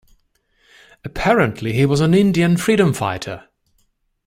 Apparently, he was an Indian freedom fighter.